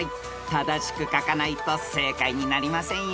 ［正しく書かないと正解になりませんよ］